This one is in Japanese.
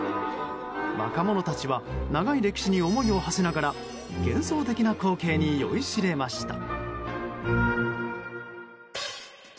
若者たちは長い歴史に思いをはせながら幻想的な光景に酔いしれました。